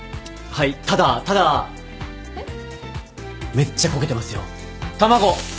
めっちゃ焦げてますよ卵！